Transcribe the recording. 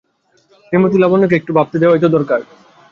শ্রীমতী লাবণ্যকে একটু ভাবতে দেওয়াই তো দরকার।